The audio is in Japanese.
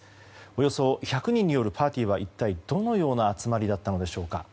およそ１００人によるパーティーは一体どのような集まりだったのでしょうか。